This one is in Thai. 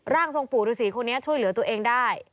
ทรงปู่ฤษีคนนี้ช่วยเหลือตัวเองได้